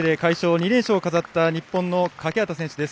２連勝を飾った日本の欠端選手です。